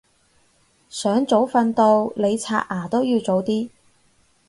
想早瞓到你刷牙都要早啲